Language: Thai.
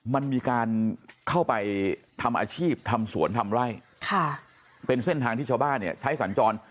มันมีการเข้าไปทำอาชีพทำสวนทำไร่ค่ะเป็นเส้นทางที่ชาวบ้านเนี่ยใช้สัญจร